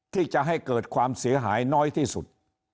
ที่จะให้เกิดความเสียหายน้อยที่สุด